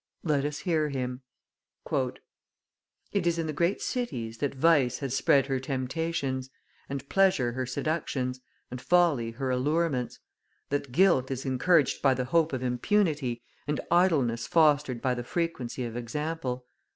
Let us hear him: "It is in the great cities that vice has spread her temptations, and pleasure her seductions, and folly her allurements; that guilt is encouraged by the hope of impunity, and idleness fostered by the frequency of example.